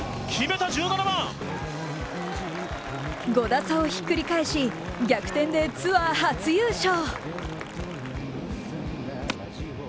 ５打差をひっくり返し、逆転でツアー初優勝。